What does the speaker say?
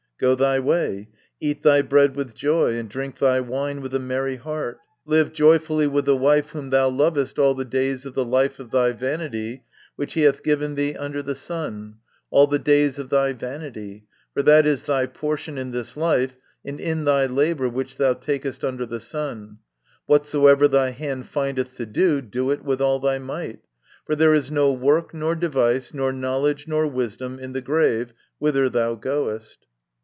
... Go thy way, eat thy bread with joy, and drink thy wine with a merry heart. 68 MY CONFESSION. ... Live joyfully with the wife whom thou lovest all the days of the life of thy vanity, which he hath given thee under the sun, all the days of thy vanity : for that is thy portion in this life, and in thy labour which thou takest under the sun. Whatsoever thy hand findeth to do, do it with thy might ; for there is no work, nor device, nor knowledge, nor wisdom, in the grave, whither thou goest."